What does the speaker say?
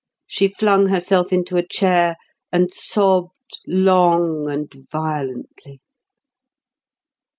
She flung herself into a chair, and sobbed long and violently.